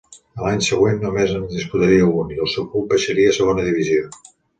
A l'any següent només en disputaria un, i el seu club baixaria a Segona Divisió.